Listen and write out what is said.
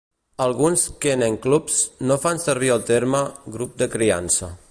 Alguns kennel clubs no fan servir el terme "grup de criança".